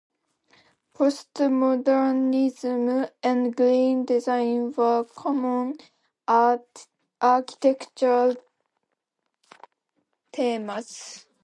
Postmodernism and green design were common architectural themes.